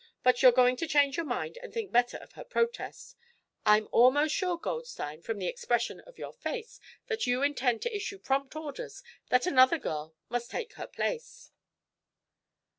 But you're going to change your mind and think better of her protest. I'm almost sure, Goldstein, from the expression of your face, that you intend to issue prompt orders that another girl must take her place."